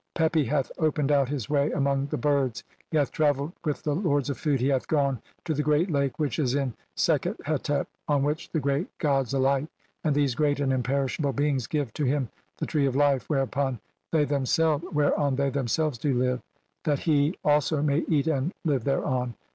Pepi hath opened out "his way among the birds, he hath travelled with the "lords of food, he hath gone to the great lake which "is in Sekhet Hetep on which the great gods alight, and "these great and imperishable beings give to him the "tree of life, whereon they themselves do live, that he "also may [eat and] live thereon.